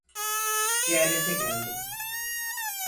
Ziyarete geldim.